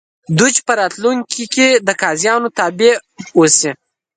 دوج په راتلونکي کې د قاضیانو تابع اوسي.